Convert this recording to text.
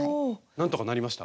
なんとかなりました？